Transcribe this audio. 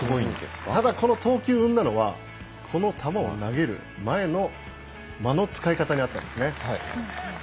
ただ、この投球をうんだのはこの球を投げる前の間の使い方にありました。